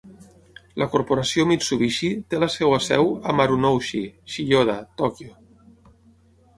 La corporació Mitsubishi té la seva seu a Marunouchi, Chiyoda, Tòquio.